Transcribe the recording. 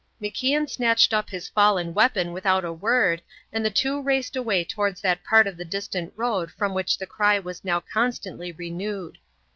MacIan snatched up his fallen weapon without a word, and the two raced away towards that part of the distant road from which the cry was now constantly renewed.